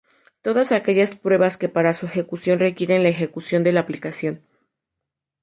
Todas aquellas pruebas que para su ejecución requieren la ejecución de la aplicación.